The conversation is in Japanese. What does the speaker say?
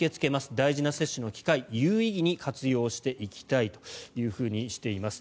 大事な接種の機会有意義に活用していきたいとしています。